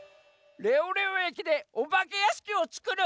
レオレオ駅でおばけやしきをつくる！？